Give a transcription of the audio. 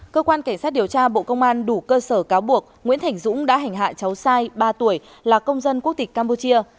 cơ quan cảnh sát điều tra bộ công an đủ cơ sở cáo buộc nguyễn thành dũng đã hành hạ cháu sai ba tuổi là công dân quốc tịch campuchia